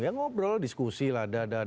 ya ngobrol diskusi lah